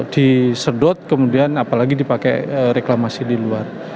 disedot kemudian apalagi dipakai reklamasi di luar